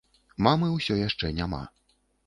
Мамы ўсё яшчэ няма.